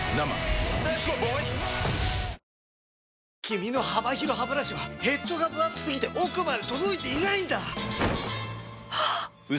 君の幅広ハブラシはヘッドがぶ厚すぎて奥まで届いていないんだ！